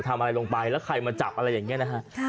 ทำอะไรลงไปแล้วใครมาจับอะไรอย่างนี้นะฮะ